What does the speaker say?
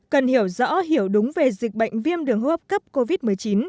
cần hiểu rõ hiểu đúng về dịch bệnh viêm đường huyết cấp covid một mươi chín